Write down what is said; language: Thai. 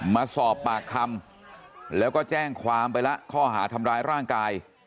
มาสอบปากคำแล้วก็แจ้งความไปแล้วข้อหาทำร้ายร่างกาย